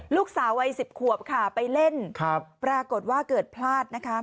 ลูกสาววัย๑๐ขวบค่ะไปเล่นปรากฏว่าเกิดพลาดนะคะ